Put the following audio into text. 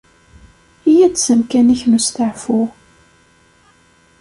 Eyya-d s amkan-ik n usteɛfu.